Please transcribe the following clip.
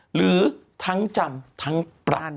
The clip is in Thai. หรือทั้งจำทั้งปรับ